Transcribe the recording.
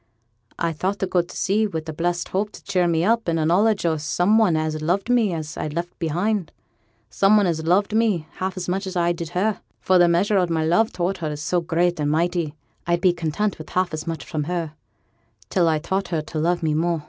'I thought to go to sea wi' a blessed hope to cheer me up, and a knowledge o' some one as loved me as I'd left behind; some one as loved me half as much as I did her; for th' measure o' my love toward her is so great and mighty, I'd be content wi' half as much from her, till I'd taught her to love me more.